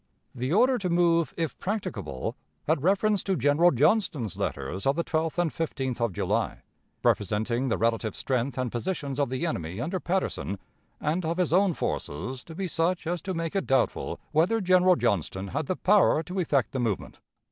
The order to move 'if practicable' had reference to General Johnston's letters of the 12th and 15th of July, representing the relative strength and positions of the enemy under Patterson and of his own forces to be such as to make it doubtful whether General Johnston had the power to effect the movement."